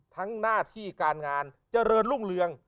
หน้าที่การงานเจริญรุ่งเรือง